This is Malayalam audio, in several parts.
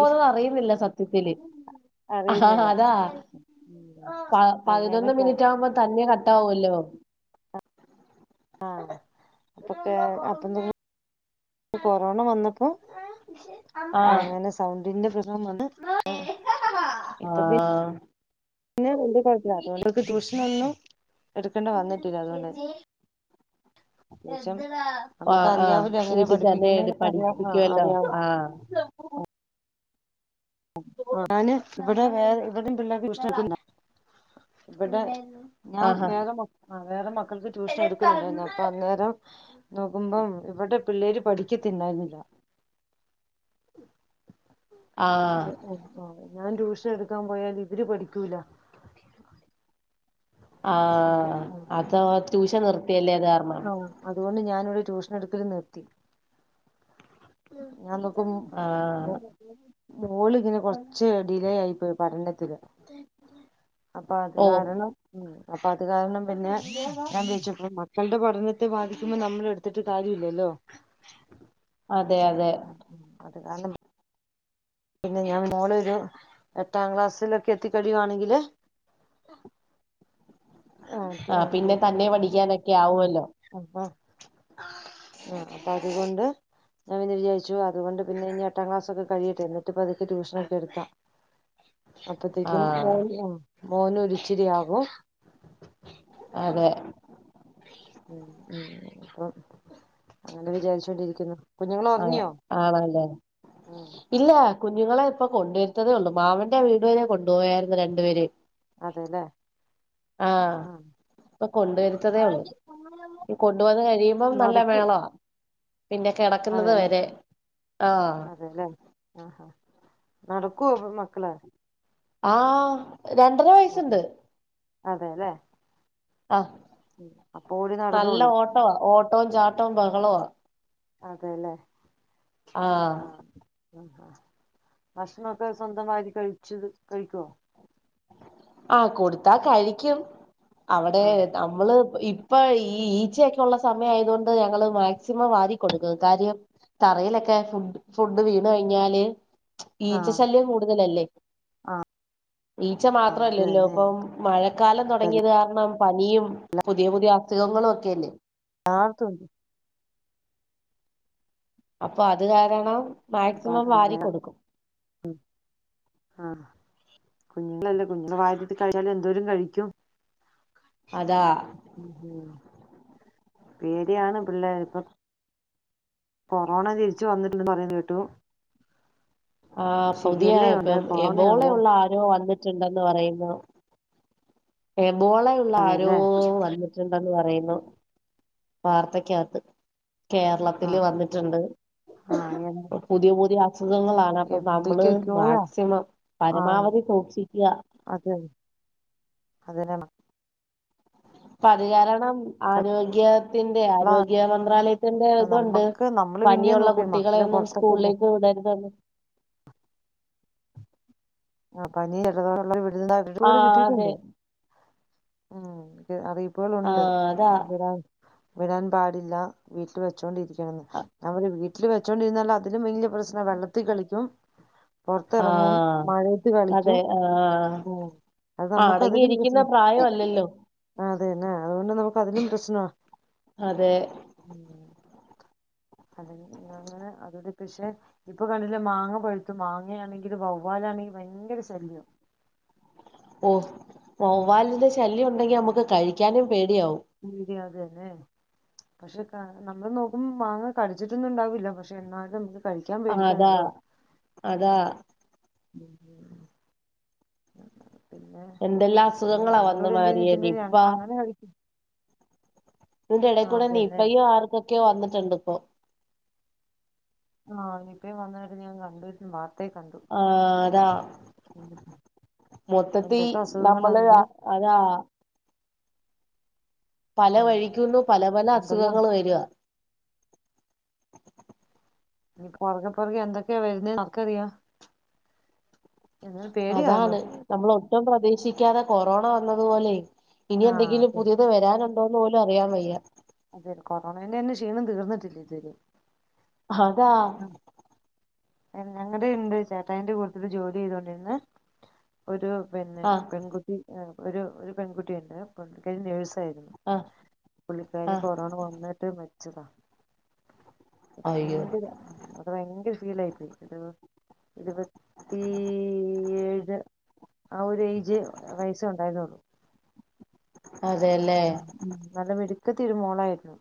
പോന്നെ അറിയുന്നില്ല സത്യത്തില് ആഹ് അറിയുന്നില്ല അതാ പ അങ്ങനെ പതിനൊന്ന് പോ മിനിറ്റ് ആകുമ്പോ തന്നെ കട്ടാവുല്ലോ അപ്പത്തെ അപ്പതന്നെ കൊറോണ വന്നപ്പോ ആഹ് അങ്ങനെ സൗണ്ടിന്റെ പ്രശ്നം വന്ന് ഇപ്പൊ ആഹ് പിന്നെ [unintelligible] അതൊണ്ട് ഓക് ട്യൂഷനൊന്നും എടുക്കണ്ടി വന്നിട്ടില്ല അതൊണ്ട ട്യൂഷൻ ആഹ് ആഹ് നമക്കറിയാവൂല്ല എങ്ങനെ വീട്ടിൽ തന്നെ പഠിപ്പിക്കണ്ട എട് റിയ ആഹ് പഠിപ്പിക്കുവല്ലോ അറിയ ആഹ് ഞാന് ഇവിടെ വേറെ ഇവിടെം പിള്ളേര്ക്ക് ട്യൂഷൻ എടുക്കുന്നുണ്ട് ഇവിടെ ഞാൻ ആഹാ വേഗം മൊ ആഹ് വേറെ മക്കൾക്ക് ട്യൂഷൻ എടുക്കുന്നുണ്ടായിരുന്നു അപ്പൊ അന്നേരം നോക്കുമ്പം ഇവിടെ പിള്ളേര് പഠിക്കത്തല്ലായിരുന്നില്ല. ആഹ് [inaudible] ഞാൻ ട്യൂഷന് എട്ക്കാൻ പോയാല് ഇവര് പഠിക്കൂല ആഹ് അത് ട്യൂഷൻ ന്ർ ഔ അതു കൊണ്ട് ഞാൻ ട്യൂഷനെട്ക്കല് നിർത്തി ഞാപം ആഹ് മോൾ ഇങ്ങനെ കൊറച്ച് ഡിലേ ആയി പോയി പഠനത്തില് അപ്പൊ അത് ഓ കാരണം ഉം അപ്പൊ അത് കാരണം പിന്നെ ചോച്ചപ്പ മക്കളുടെ പഠനത്തെ ബാധിക്കുമ്പോ നമ്മൾ എടുത്തിട്ട് കാര്യ ഇില്ലല്ലോ അതെ അതെ [unintelligible] പിന്നെ ഞാൻ മോളൊ ഒരു എട്ടാം ക്ലാസ്സിലൊക്കെ എത്തി കഴിയുവാണെങ്കില് ആ പിന്നെ തന്നെ പഠിക്കാനൊക്കെ ആവുവല്ലോ ആ അപ്പൊ അതുകൊണ്ട് ഞാൻ പിന്നന്ന് വിചാരിച്ചു അതുകൊണ്ട് പിന്നെ ഇനി എട്ടാം ക്ലാസ്ക്കെ കഴിയട്ടെ എന്നിട്ട് പതുക്കെ ട്യൂഷനൊക്കെ എടുക്കാം അപ്പത്തേക്കും ആഹ് മോൻ [unintelligible] മോന് ഒരിച്ചിരിയാകും അതെ ഉ ഉ അപ്പം അങ്ങനെ വിചാരിച്ചോണ്ടിരിക്കുന്നു കുഞ്ഞുങ്ങൾ ആഹ് ഉറങ്ങിയോ ആണല്ലേ ഉം ഇല്ല കുഞ്ഞുങ്ങളെ ഇപ്പൊ കൊണ്ടുവരുത്തതേ ഒള്ളൂ മാമന്റെ വീട് വരെ കൊണ്ടുപോയായിരുന്നു രണ്ടുപേരേം അതെല്ലേ ആ ആഹ് ഇപ്പൊ കൊണ്ടുവരുത്തതേ ഒള്ള് കൊണ്ട് വന്ന് കഴിയുമ്പം നല്ല നടക്കൂ മേളവാ പിന്നെ കിടക്കുന്നത് അതെല്ലേ വരെ ആഹ് അതെല്ലേ ആ അ നടക്കോപ്പ മക്കളെ ആഹ് രണ്ടര വയസ്സുണ്ട് അതേല്ലേ ആ നല്ല നടന്നോളും ഓട്ടവ ഓട്ടോം ചാ ടോം ബഹളോവ അതേല്ലേ ആ ആ ഭഷണോക്കെ സ്വന്തവാരി കഴിച്ചത് കഴിക്കുവോ ആ കൊടുത്താ കഴിക്കും അവിടെ ആഹ് നമ്മള് ഇപ്പൊ ഈ ഈച്ചയൊക്കെ ഒള്ള സമയായതുകൊണ്ട് ഞങ്ങള് മാക്സിമം വാരി കൊടുക്കും കാര്യം തറയിലൊക്കെ ഫുഡ് ഫുഡ് വീണ് കഴിഞ്ഞാല് ആഹ് ഈച്ചശല്യം കൂടുതലല്ലേ ആഹ് ഈച്ച് ആഹ് അത് മാത്രല്ലല്ലോ തന്നെ ഇപ്പം ഇപ്പ മഴക്കാലം തൊടങ്ങിയത് കാരണം പനിയും പുതിയ പുതിയ അസുഖങ്ങളും ഒക്കെല്ലേ ആത്തുണ്ട് അപ്പൊ അത് കാരണം അപ്പം അത് മാക്സിമം വാരി തന്നെയാ കൊടുക്കും ആാ കുഞ്ഞുങ്ങളല്ലേ കുഞ്ഞങ്ങള് വാരിട്ട് കഴിഞ്ഞാല് എന്തോരും കഴിക്കും അതാ ഉം ഉം പേടിയാണ് പിള്ളേരെ ഇപ്പം കൊറോണ ജെയിച്ച് വന്നിട്ടില്ലെന്ന് പറേന്ന കേട്ടു ആ പുതിയ ഷിഗല്ലയുണ്ട് ഇപ്പം കൊറോണയുണ്ട് എബോളെയുള്ള ആരോ വന്നിട്ട്ണ്ടെന്ന് പറയ്ന്നു [unintelligible] ബോളെ ഒള്ളാ ആരോ അതെല്ലേ വന്നിട്ട് ന്ന് പറായുന്നു വാർത്തക്ക്യാത്ത് കേരളത്തില് ആഹ് വന്നിട്ട്ണ്ട് ആഹ് പുതിയ പുതിയ അ അസുഖങ്ങളാണ് അപ്പം നമ്മള് എന്തൊക്കെയൊക്കെയോ മാക്സിമം ആഹ് പരമാവധി സൂക്ഷിക്ക്യാ അതെ അതന്നെ പ്പ അത് കാരണം മക്കള ആരോഗ്യ ത്തിന്റെ ആരോഗ്യ മന്ത്രാലയത്തിന്റെ താെണ്ട് നമ്മക്ക് നമ്മള് പിന്നേം പനിയാെള്ള നോക്കും ഈ കുട്ടികളെ മക്കള് ഒന്നും പുറത്തൊക്കെ പോ സ്കൂൾലേക്ക് വിടര്തെന്ന് ആ പനി [unintelligible] ആ അതെ കിട്ടിയിട്ടുണ്ട് ഉം ആ അറിയിപ്പ്കളൊണ്ട് അതാ ഇവ്ടെ വിടാൻ പാടില്ല വീട്ടി വെച്ചോണ്ടി ഉം നമ്മടെ വീ വീട്ടില് വെച്ചോണ്ടിര്ന്നാല് അതിലും വല്ല്യാ പ്രശ്നാ വെള്ളത്തി കളിക്കും ആ പൊറത്തെറങ്ങും അതെ ഉം അത് ആ നമുക്ക് അടങ്ങി ഇരിക്ക്ന്ന പ്രായം അല്ലല്ലോ അത് തന്നെ അത് കൊണ്ട് നമ്ക്ക് അതിലും പ്രശ്നാ അതേ അതെ അങ്ങനെ അതോണ്ട് പ്ശെ ഇപ്പം കണ്ട്ല്ലെ മാങ്ങ പഴുത്തു മാങ്ങയാണെങ്കില് വവ്വാലാണെങ്കി ഭയങ്കര ശല്യം ഉം വാവ്വാലിന്റെ ശല്യം ഒ ങ്കി നമ്ക്ക് കഴിക്കാനും പേടിയാവും അതന്നെ പശെ ക നമ്മള് നോക്ക്മ്പോ മാങ്ങ കട്ച്ച്ട്ടൊന്നും ണ്ടാവില്ല പശെ എന്നാലും ത് അതാ അതാ ഉം ഉം ഉം ഉം എന്തെല്ലാ അസുഖങ്ങളാ വന്ന് എന്തെന്ന് മാറിയെ വെച്ചിട്ടുണ്ടെങ്കിൽ നിപ്പാ അങ്ങനെ കഴിക്കും ത് ന്റെ ആ എടേക്കൂടെ അതെല്ലേ നീപ്പയും ആർക്കൊക്കെയോ വന്ന് ഇപ്പോ ആ നിപ്പ വന്നിട്ട് ഞാൻ കണ്ടട്ട മാ ആ അതാ മൊത്തത്തി എന്തൊക്കെ നമ്മള് അസുഖങ്ങളാണെന്ന് അതാ പല വഴിക്കുന്നു പല പല എന്തെല്ലാം അസുഖങ്ങൾ വരാ പുറകെ പുറകെ എന്തൊക്കെ വരുന്നേ ആർക്കറിയാ അതാണ് നമ്മള പ്രതീക്ഷിക്കാതെ കൊറോണ വന്നതു പോലെ ഇനി ആഹ് എന്തെങ്കിലും അതെ പുതിയത് വരാനു ഉണ്ടോന്ന് പോലും അറിയൻ വയ്യ അതെ കൊറോണേന്റെ ന്നെ ക്ഷീണം തീർന്നിട്ടില്ല ഇതുവരെ ആതാ ഞങ്ങടെ ഉണ്ട് ചേട്ടായിന്റെ കൂടുത്തിൽ ജോലി ചെയ്തോണ്ടിരുന്ന ഒരു പിന്നെ ആഹ് പെൺകുട്ടി ഒരു ഒരു പെൺകുട്ടി തന്നെ പെൺ നേഴ് ആഹ് പുള്ളിക്കാരി ആഹ് കൊറോണ വന്നിട്ട് മ ച്ചത അയ്യോ ഭയങ്കര അത് ഭയങ്കര ഫീലായിപ്പോയി ഇ ഇരുപത്തി ഏഴ് ആ ഒരു ഏജ് വയസ്സേ ഉണ്ടായിരുന്നുള്ളു അതെല്ലേ ഉം നല്ല മെടി കത്തി രു മോളായിരുന്നു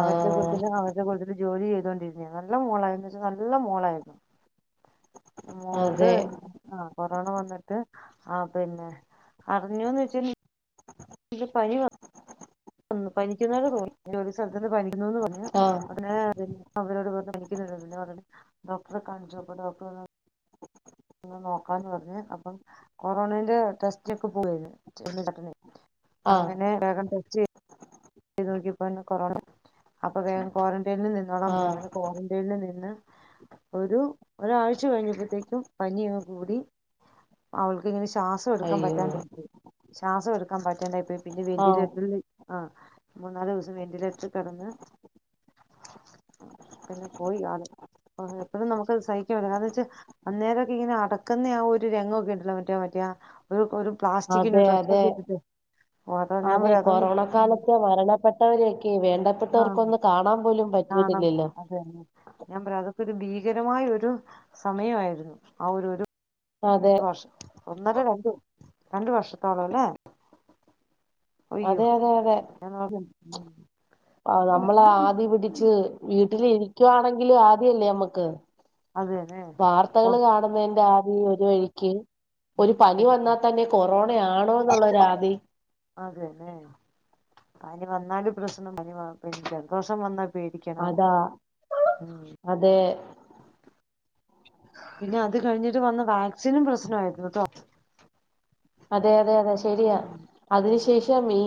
അവരുടെ കൂട്ടത്തില്ൽ അവരുടെ കൂട്ടത്തില് ജോലി ചെയ്തോണ്ട് നല്ല മോളായിന്ന് വച്ചാ നല്ല മോളായിരുന്നു മോക്ക് അതെ ആ കൊറോണ വന്നിട്ട് ആ പിന്നെ അറിഞ്ഞുന്ന് വെച്ച ഇ പനി ഒ പനിക്കന്ന പോലെ തോന്നി ജോലി സ അന്ന് പനിക്കുന്നുന്ന് പറഞ്ഞു ആഹ് അങ്ങനെ അവരോട് വ പിക്കുന്നുണ്ട് ഡോക്ടറെ കാണിച്ചപ്പ ഡോക്ടർ പറഞ്ഞു നോക്കാന്ന് പറഞ്ഞ് അപ്പം കൊറോണന്റെ ടെസ്റ്റിലൊക്കെ പോവരുന്നു ആഹ് അങ്ങനെ വഗം ടെസ്റ്റ് യ്ത് നോക്കിപ്പോ ഞ്ഞു കൊറോണ അപ്പ വേഗം ക്വാറ ൽ നിന്നോള അമ്മ ആഹ് അങ്ങനെക്റന്റൈനിൽ നിന്ന് ഒരു ഒരാഴ്ച കഴിഞ്ഞപ്പോത്തേക്കും പനി യങ്ങ് കൂടി അവൾക്ക ഇങ്ങനെ ശ്വാസം എടുക്കാൻ അയ്യോ പറ്റാണ്ടെനിക്കെ ശ്വാസം എടുക്കാൻ പറ്റാണ്ടായിപ്പോയി പിന്നെ ആഹ് വെന്റിലേറ്റർല് ആ മൂന്നാലു ദിവസം വെന്റിലേറ്ററ് കെടന്ന് പിന്നെ പോയി ആള് എപ്പഴും നമുക്കത് സഹിക്കാൻ പറ്റില്ല കാരണന്നാച്ച അന്നേരൊക്കെ ഇങ്ങനെ അടക്കുന്ന ആ ഒരു രംഗൊക്കെണ്ടല്ലോ മറ്റേ മറ്റേ ഒര് ഒരു പ്ലാസ്റ്റിക്കിന്റെ അതെ അതെ ട്രെസ്സാെക്കെ ഇട്ടിട്ട് ഓ അതാ ഞാൻ പറയാതൊന്ന് ഉം പെട്ടവരെയൊക്കെ വേണ്ടപ്പെട്ടവർക്കൊന്ന് കാണാം പോലും ആണ് പറ്റിയിട്ടില്ലല്ലോ അതന്നെ ഞാൻ പറ അത് ഒരു ഭീകരമായ ഒരു സമയയായിരുന്നു ആ ഒരു ഒരു അതേ വർഷം ഒന്നര രണ്ട് രണ്ട് വർഷത്തോള അല്ലേ അയ്യോ [unintelligible] ഉം ആ നമ്മളെ ഉം. ആദി പിടിച്ച് വീട്ടിലി രിക്കുവാണെങ്കിലും ആദിയല്ലേ മ്മ്ക്ക് അത് തന്നെ പൊ- വാർത്തകള് കാണുന്നതിന്റെ ആ ഒര് വഴിക്ക് ഒരു പനി പിന്നെ വന്നാൽ പൊ- തന്നെ കൊറോണയാണോന്നുള്ളൊരാതി അതേലേ പനി വന്നാലും പ്രശ്നം പനി വ ജലദോഷം വന്നാ പേടിക്കണം അതാ ഉം അതേ പിന്നെ അത് കഴിഞ്ഞിട്ട് വന്ന വാക്സിനും പ്രശ്നായിരുന്നുട്ടോ അതെ അതെ അതെ ശെരിയാ അതിനു ശേഷം ഈ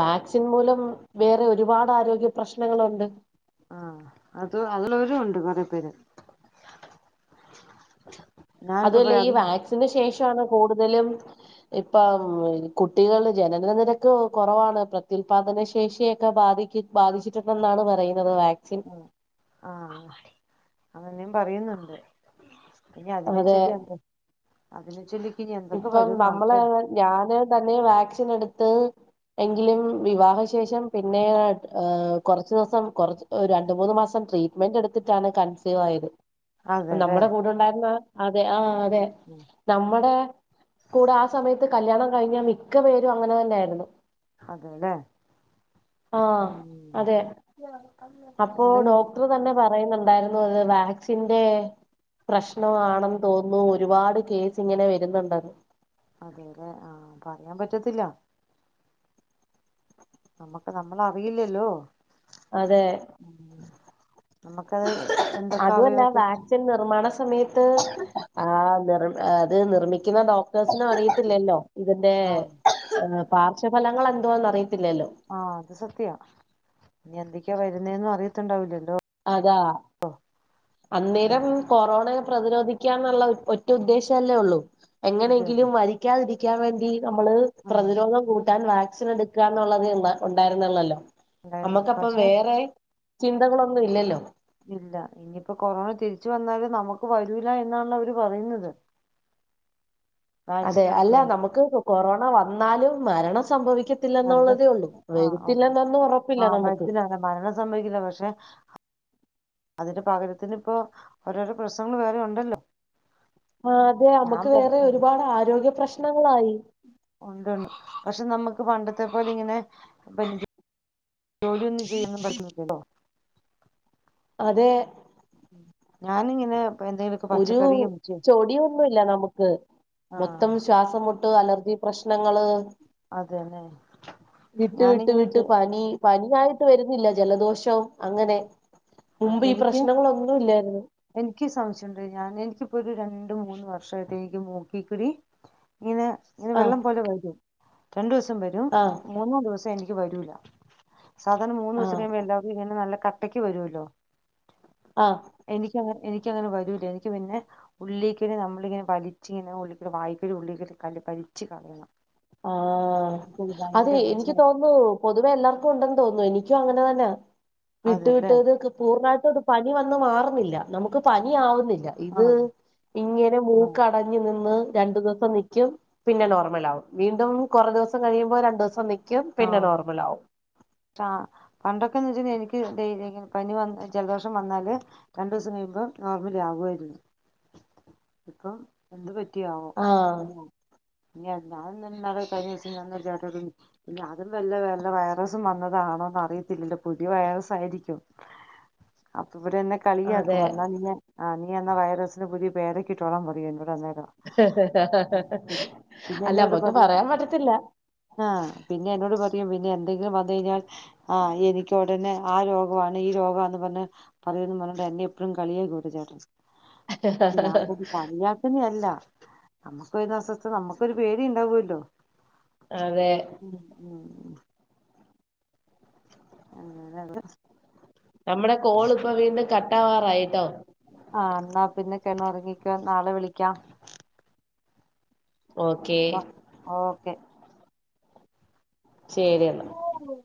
വാക്സിൻ മൂലം വേറെ ഒരുപാട് ആരോഗ്യ പ്രശ്നങ്ങളുണ്ട് ആ അത് അതിലൊരു ഉണ്ട് കൊറേ പേര് അതു ഞാനിപ്പോ അല്ല പറയാ ഈ അത് വാക്സിന് ശേഷ ഷാണ് കൂടുതലും ഇപ്പം കുട്ടികൾ ജനന നിരക്ക് കൊറവാണ് പ്രത്യുല്പാദന ശേഷിയൊക്കെ ബാധ ബാധിച്ചിട്ടുണ്ടെന്നാണ് പറയു ആ ആ ആ അങ്ങനെയും പറയുന്നുണ്ട് ഇനി അതിനെ അതെ ചൊല്ലി എന്ത അതിനെ ചൊല്ലി ഇപ്പം നമ്മള് ഞാന് തന്നെ വാക്സിൻ എട് ത്ത് എങ്കിലും വിവാഹ ശേഷം പിന്നെ കൊറച്ച് ദിവസം രണ്ട് മൂന്ന് മാസം ട്രീറ്റ്മെന്റ് എടുത്തിട്ടാണ് കൺസീവായത് അതെല്ലേ നമ്മുടെ കൂടെ ഉണ്ടായിരുന്ന അതെ ആഹ് അതെ ഉം നമ്മുടെ കൂടെ ആ സമയത്ത് കല്യാണം കഴിഞ്ഞാൽ മിക്ക പേരും അങ്ങനെ തന്നെ ആായിരുന്നു അതെല്ലെ ആ ഉ അതെ എന്ത ണ്ടായിരുന്നു അത് വാക്സിന്റെ പ്രശ്നമാണെന്ന് തോന്നുന്നു ഒരുപാട് കേസ് ഇങ്ങനെ വരുന്നുണ്ട് ഉ അതേല്ലെ ആഹ പറയാൻ പറ്റത്തില്ല നമക്ക് നമ്മള അറിയില്ലല്ലോ അതെ ഉം നമുക്കത് എന്തൊക്കെ അതല്ല അവയവത്തിൽ വാക്സിൻ നിർമ്മാണ സമയത്ത് ആ നി അത് നിർമ്മിക്കുന്ന ഡോക്ടേഴ്സിനും അറിയത്തില്ലല്ലോ ഇതിന്റൊർ ആഹ് പ ഫലങ്ങൾ എന്തോന്ന്റിയാം ആഹ അത് സത്യ ഇനി എന്തക്ക ഒക്കെ വരുന്നും അറിയത്തുണ്ടാവില്ലല്ലോ അതാ അന്നേരം ഉം കൊറോണ പ്രതിരോധിക്കാന്നുള്ള ഒറ്റ ഉദ്ദേശല്ലേ ഉള്ളൂ അതെ എങ്ങനെയെങ്കിലും വരിക്കാതിരിക്ക ക്കാൻ വേണ്ടി നമ്മള് ആഹ് പ്രതിരോധം കൂട്ടാൻ വാക്സിൻ എടുക്കുക എന്നുള്ളത് ഉണ്ടായിരരുന്നുള്ളല്ലോ ഉണ്ടായിരുന്നുള്ളു നമ്മക്കപ്പൊ പക്ഷെ വേറെ ചിന്തകളും ഒന്ന ഇല്ലല്ലോ ഇല്ല ഇനിയിപ്പോ കൊറോണ തിരിച്ച വന്നല് നമുക്ക് വരൂല എന്നാണ് അവര് പറയുന്നത് അതെ വാക്സിൻ അല്ല എടുത്തോണ്ട് നമുക്ക് കൊറോണ വന്നാലും മരണം സംഭവിക്കത്തില്ല എന്നുള്ളതേ ഉള്ളൂ വഴത്തില്ല ആഹ് എന്നൊന്നും ആ ഉറപ്പില്ല നമുക്ക് വയറ്റിലാണ് മരണം സംഭവിക്കില്ല പക്ഷെ അതിന്റെ പകരത്തിന് ഇപ്പോ ഓരോരോ പ്രശ്നങ്ങൾ വേറെ ഉണ്ടല്ലോ ആ അതെ നമുക്ക് വേറെ ഒരുപാട് ആരോഗ്യ പ്രശ്നം ഉണ്ടണ്ട് പക്ഷെ നമ്മുക്ക് പണ്ടത്തെ പോലെ ഇങ്ങനെ ജോലിയൊന്നും ചെയ്യും പറ്റില്ലല്ലോ അതെ ഞാനിങ്ങനെ എന്തെങ്കിലുമൊക്കെ ഒരു പച്ചക്കറിയും ചെ- ചെടിന്നുമല്ല നമുക്ക് ആ മൊത്തം ശ്വാസം മുട്ട അലർജി പ്രശ്നം ങ്ങൾ അതന്നെ വിട്ട് വിട്ട ഞാനിങ്ങനെ വിട്ട് ചെ- പനി പനിയായിട്ട് വരുന്നില്ല ജലദോഷവും അങ്ങനെ ആ മുമ്പ് ഈ എനിക്ക് പ്രശ്നങ്ങളൊന്നുംല്ലായിരുന്നു എനിക്ക് സംശയമുണ്ട് ഞാൻ എനിക്കിപ്പോ ഒരു രണ്ട് മൂന്ന് വർഷമായിട്ട് എനിക്ക് മൂക്കിക്കൂടി ഇങ്ങനെ ഇങ്ങനെ ആഹ് വെള്ളം പോലെ വരും രണ്ടുസം സം വരും ആഹ് മൂന്നാം ദിവസം എനിക്ക് വരൂല സാധാരണ മൂന്നൂസം ആഹ് കഴിയുമ്പോ എല്ലാർക്കും ഇങ്ങനെ നല്ല കട്ട ട്ടയ്ക്ക് വരുമല്ലോ ആഹ് എനിക്ക് അങ്ങനെ എനിക്കങ്ങനെ വരൂല്ല എനിക്ക് പിന്നെ ഉള്ളിക്കേറി നമ്മളിങ്ങനെ വലിച്ച് ഇങ്ങനെ ഉള്ളിക്കൂടെ വായിക്കല് ഉള്ളക്കലും കല് വലിച്ച് കളയണം ആഹ എനിക്കത് അത് ഭയങ്കര എനിക്ക് പ്രശ്നായി തോന്നു പൊതുവേ എല്ലാർക്കും ഉണ്ടെങ്കിൽ തോന്നുന്നു എനിക്കും അങ്ങനെ തന്നാ വിട്ടു അതെല്ലേ വിട്ടതൊക്കെ പൂർണ്ണമായിട്ട ത് പനി വന്ന മാറുന്നില്ല നമുക്ക് പനി ആവുന്നില്ല ഇത് ആഹ് ഇങ്ങനെ ആഹ് മൂക്കടഞ്ഞു നിന്ന് രണ്ടു ദിവസം നിൽക്കും പിന്നെ നോർമൽ ആകും വീണ്ടും കുറേ ദിവസം കഴിയുമ്പോ രണ്ടു ദിവസം നി ആഹ ആ പണ്ടൊക്കെന്ന് വെച്ച എനിക്ക് പനി വന്ന ജലദോഷം വന്നാല് രണ്ടു ദിവസം കഴിയുമ്പോൾ നോർമലി ആകുമായിരുന്നു ഇപ്പം എന്ത് പ റ്റിയാവം ആഹ് [unintelligible] ഇല്ല അതും വല്ല വല്ല വൈറസും വന്നതാണോന്ന് അറിയത്തില്ലല്ല പുതിയ വൈറസായിരിക്കും അപ്പൊ ഇവിടെ എന്നെ കളി അതെ ആക്കും എന്നാ നീ ആ നി എന്ന ആ വൈറസിന് പുതിയ പേരൊക്കിട്ടോളാം പറയും എന്നോട് അന്നേരം ആ ശരി പിന്നെ എന്നെ അല്ല ഇവിടെ നമ്മക്ക് പറയും പറയാൻ പറ്റത്തില്ല ആ പിന്നെ എന്നോട് പറയും പിന്നെ എന്തെങ്കിലും വന്ന കഴിഞ്ഞാൽ ആ എനിക്ക് ഉടനെ ആ രോഗമാണ് ഈ രോഗാന്ന് പറഞ്ഞു പറയന്ന് പറഞ്ഞ് എന്നെ എപ്പോഴും കളിയാക്കും ചേട്ടൻ ഞാൻ കളിയാക്കുന്ന അല്ല നമുക്ക് വരുന്ന അസ്വസ്ഥത നമ്മുക്കൊരു പേടി ഉണ്ടാവല്ലോ അതെ ഉം ഉം ഉ ആല്ല നമ്മടെ കോള്പ്പം വീണ്ടും കട്ട് ട്ടാവാറായിട്ടോ ആഹ് ന്നാ പിന്നെ കെട്ന്നൊറങ്ങിക്കോ നാളെ വിളിക്കാം ഓക്കേ ക്കെ ശരി എന്നാ ഓക്കെ